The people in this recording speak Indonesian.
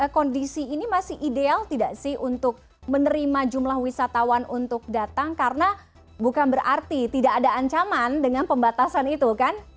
kondisi ini masih ideal tidak sih untuk menerima jumlah wisatawan untuk datang karena bukan berarti tidak ada ancaman dengan pembatasan itu kan